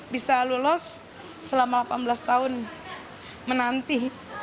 bisa lulus selama delapan belas tahun menanti